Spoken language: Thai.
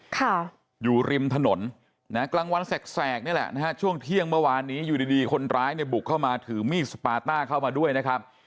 ค่ะอยู่ริมถนนนะฮะกลางวันแสกนี่แหละนะฮะช่วงเที่ยงเมื่อวานนี้อยู่ดีดีคนร้ายเนี่ยบุกเข้ามาถือมีดสปาต้าเข้ามาด้วยนะครับ